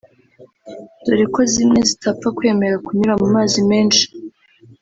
dore ko zimwe zitapfa kwemera kunyura mu mazi menshi